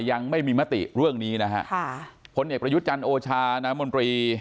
ยังไม่มีมติเรื่องนี้นะฮะค่ะพลเอกประยุทธ์จันทร์โอชานามนตรี